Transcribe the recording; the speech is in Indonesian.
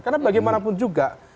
karena bagaimanapun juga